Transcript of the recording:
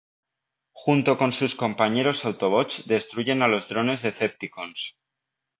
Junto con sus compañeros autobots destruyen a los Drones decepticons.